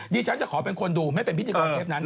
ดิฉันจะขอเป็นคนดูไม่เป็นพิธีกรเทปนั้น